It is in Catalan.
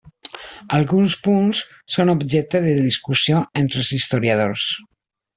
Alguns punts són objecte de discussió entre els historiadors.